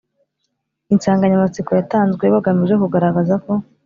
insanganyamatsiko yatanzwe bagamije kugaragaza ko